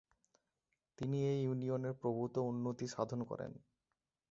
তিনি এই ইউনিয়নের প্রভূত উন্নতি সাধন করেন।